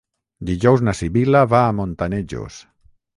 Dijous na Sibil·la va a Montanejos.